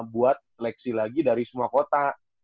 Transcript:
buat seleksi lagi dari semua kota